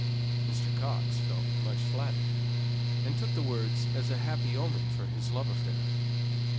Mr. Coxe felt much flattered, and took the words as a happy omen for his love affair.